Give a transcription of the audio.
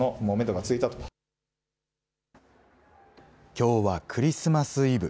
きょうはクリスマスイブ。